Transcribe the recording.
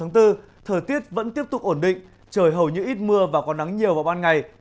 thời tiết vẫn tiếp tục ổn định trời hầu như ít mưa và có nắng nhiều vào ban ngày